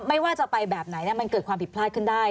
ไม่ว่าจะไปแบบไหนมันเกิดความผิดพลาดขึ้นได้